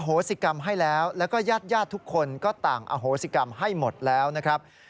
โหสิกรรมให้แล้วแล้วก็ญาติญาติทุกคนก็ต่างอโหสิกรรมให้หมดแล้วนะครับ